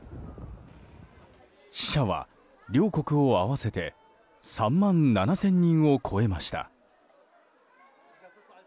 死者は両国を合わせて３万７０００人を超えました。